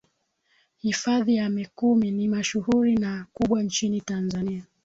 hifadhi ya mikumi ni mashuhuri na kubwa nchini tanzania